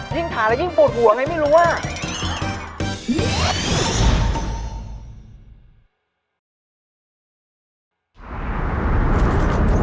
ยิ่งถ่ายแล้วยิ่งปวดหัวไงไม่รู้อะ